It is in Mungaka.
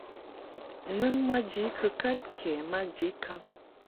Nɨŋ maji kɨkad kɛ maji kaŋ.